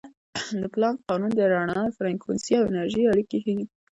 د پلانک قانون د رڼا فریکونسي او انرژي اړیکې ښيي.